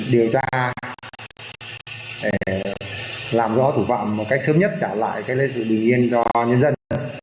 điều tra làm rõ thủ phạm một cách sớm nhất trả lại sự bình yên cho nhân dân